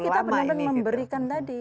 jadi kita benar benar memberikan tadi